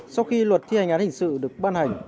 sau khi luật thi hành án hình sự được ban hành